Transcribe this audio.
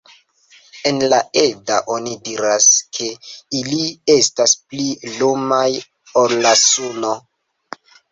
En la Edda oni diras ke ili estas pli lumaj ol la suno.